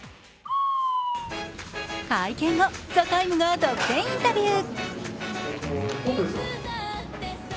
会見後、「ＴＨＥＴＩＭＥ，」が独占インタビュー。